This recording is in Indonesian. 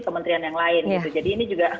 kementerian yang lain gitu jadi ini juga